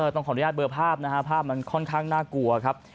ต้องขออนุญาตเบอร์ภาพนะฮะภาพมันค่อนข้างน่ากลัวครับ